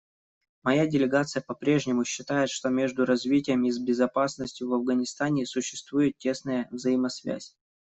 Моя делегация попрежнему считает, что между развитием и безопасностью в Афганистане существует тесная взаимосвязь.